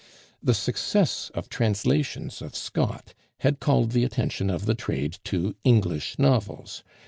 The success of translations of Scott had called the attention of the trade to English novels.